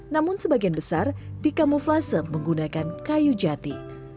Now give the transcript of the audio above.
namun sebagian besar dikamuflase menggunakan kayu jati